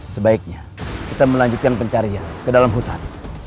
sebaiknya kita melanjutkan pencarian ke dalam hutan